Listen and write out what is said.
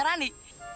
ntar lu nyarani